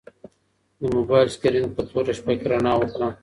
د موبایل سکرین په توره شپه کې رڼا وکړه.